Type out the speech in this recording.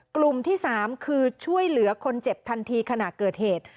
กลุ่มที่๓คือช่วยเหลือคนเจ็บทันทีขณะเกิดเหตุ